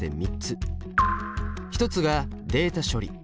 一つがデータ処理。